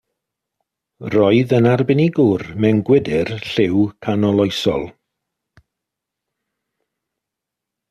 Roedd yn arbenigwr mewn gwydr lliw canoloesol.